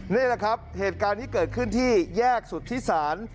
นี่แหละครับเหตุการณ์นี้เกิดขึ้นที่แยกสุธิศาล